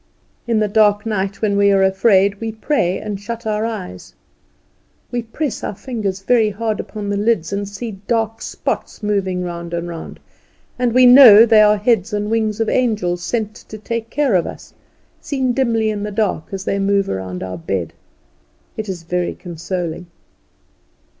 In the dark night when we are afraid we pray and shut our eyes. We press our fingers very hard upon the lids, and see dark spots moving round and round, and we know they are heads and wings of angels sent to take care of us, seen dimly in the dark as they move round our bed. It is very consoling.